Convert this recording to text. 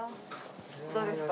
どうですか？